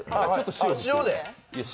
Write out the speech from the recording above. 塩で？